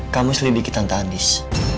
kamu harus lebih ke tante andis